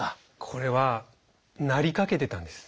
これはなりかけてたんです。